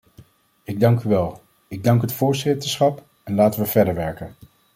Ik dank u wel, ik dank het voorzitterschap en laten we verder werken.